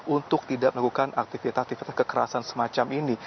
untuk tidak melakukan aktivitas aktivitas kekerasan semacam ini